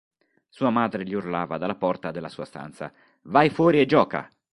Sua madre gli urlava dalla porta della sua stanza: "Vai fuori e gioca!